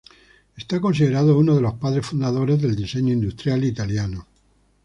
Es considerado uno de los padres fundadores del diseño industrial italiano.